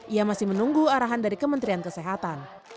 ia masih menunggu arahan dari kementerian kesehatan